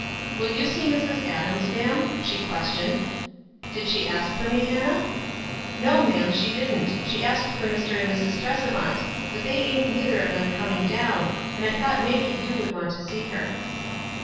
"Will you see Mrs. Adams, ma'am?" she questioned. "Did she ask for me, Hannah?" "Xo, ma'am, she didn't; she asked for Mr. and Mrs. Tresevant ; but they ain't neither of them coming down, and I thought maybe you would want to see her."